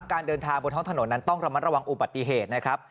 การเดินทางบนท้องถนนนั้นต้องระมัดระวังอุบัติเหตุนะครับ